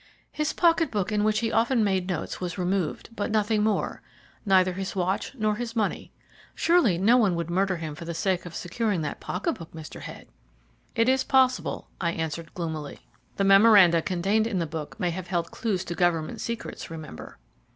"His pocket book in which he often made notes was removed, but nothing more, neither his watch nor his money. Surely no one would murder him for the sake of securing that pocket book, Mr. Head?" "It is possible," I answered gloomily. "The memoranda contained in the book may have held clues to Government secrets, remember."